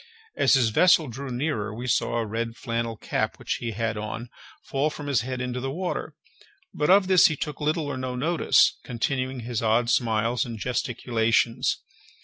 As his vessel drew nearer, we saw a red flannel cap which he had on fall from his head into the water; but of this he took little or no notice, continuing his odd smiles and gesticulations.